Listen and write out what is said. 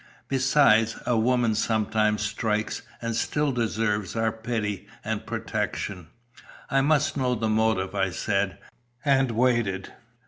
Besides, a woman sometimes strikes and still deserves our pity and protection. 'I must know the motive,' I said, and waited.